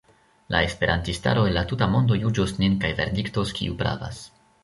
La esperantistaro el la tuta mondo juĝos nin kaj verdiktos, kiu pravas.